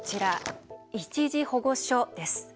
一時保護所です。